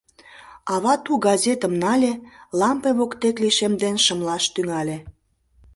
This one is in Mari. Ава ту кагазетым нале, лампе воктек лишемден шымлаш тӱҥале.